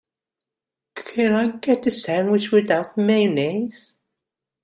Can I get the sandwich without mayonnaise?